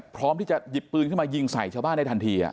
พร้อมที่จะหยิบปืนขึ้นมายิงใส่ชาวบ้านได้ทันที